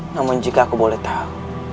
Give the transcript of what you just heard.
namun jika aku boleh tahu